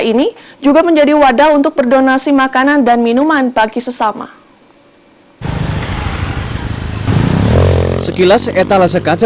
ini juga menjadi wadah untuk berdonasi makanan dan minuman bagi sesama sekilas etalase kaca